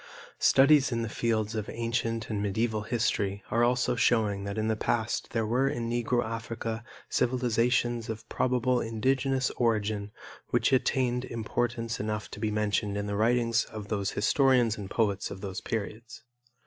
Studies in the fields of ancient and medieval history are also showing that in the past there were in Negro Africa civilizations of probable indigenous origin which attained importance enough to be mentioned in the writings of the historians and poets of those periods.